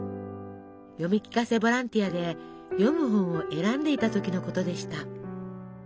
読み聞かせボランティアで読む本を選んでいた時のことでした。